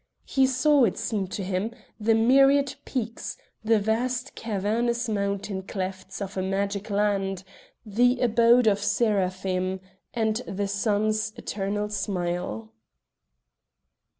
He saw, it seemed to him, the myriad peaks, the vast cavernous mountain clefts of a magic land, the abode of seraphim and the sun's eternal smile.